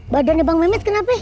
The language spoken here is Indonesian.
badannya bang mehmet kenapa